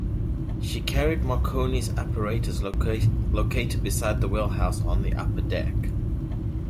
She carried Marconi apparatus located beside the wheelhouse on the upper deck.